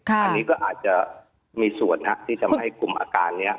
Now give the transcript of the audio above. อันนี้ก็อาจจะมีส่วนที่ทำให้กลุ่มอาการนี้